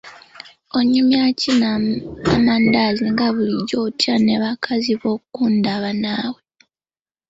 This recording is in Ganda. Onyumya ki amandaazi nga bulijjo otya ne bakazi bo okundaba naawe.